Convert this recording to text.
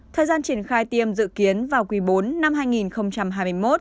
thời gian triển khai tiêm dự kiến vào quý bốn năm hai nghìn hai mươi một